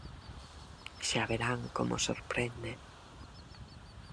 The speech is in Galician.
Xa verán como os sorprende.